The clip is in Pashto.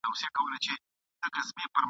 سپی په مخ کي سي د لاري رهنما سي !.